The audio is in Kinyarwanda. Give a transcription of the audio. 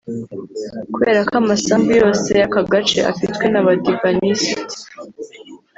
kubera ko amasambu yose y’aka gace afitwe n’abadivanisite